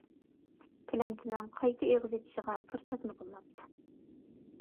تىلەمچىنىڭ قايتا ئېغىز ئېچىشىغا پۇرسەتمۇ بولماپتۇ.